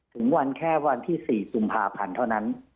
ถึงวันแค่วันที่๔กุมภาพันธ์เท่านั้น